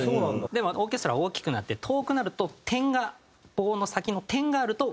でもオーケストラ大きくなって遠くなると点が棒の先の点があるとわかりやすいから。